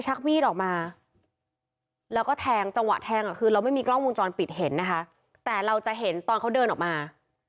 จ้างหวะแทงคือเราไม่มีกล้องวงจรปิดเห็นนะคะแต่เราจะเห็นตอนเขาเดินออกมา